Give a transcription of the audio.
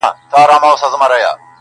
تاریخي خواړه پرېمانه غوښه نه لرله.